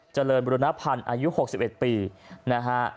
เจริญบุรณพันธ์อายุหกสิบเอ็ดปีนะฮะ